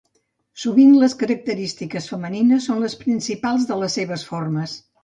Sovint les característiques femenines són les principals de les seves formes.